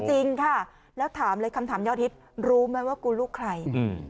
จริงค่ะแล้วถามเลยคำถามยอดฮิตรู้ไหมว่ากูลูกใครอืม